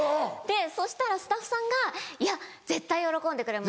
そしたらスタッフさんが「いや絶対喜んでくれます」。